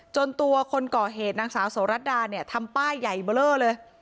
จนตัวคนก่อเหตุนางสาวโสรัตดาทำป้ายใหญ่เบลอเลย